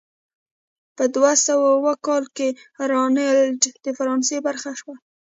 په دوه سوه اووه کال کې راینلنډ د فرانسې برخه شوه.